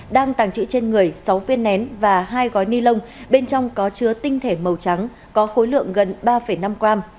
đang tàng trữ trên người sáu viên nén và hai gói ni lông bên trong có chứa tinh thể màu trắng có khối lượng gần ba năm gram